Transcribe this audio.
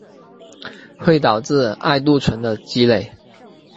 会导致艾杜醇的积累。